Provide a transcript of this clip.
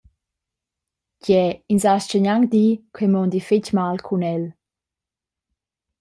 Gie, ins astga gnanc dir ch’ei mondi fetg mal cun el.